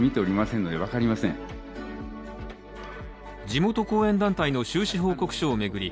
地元後援団体の収支報告書を巡り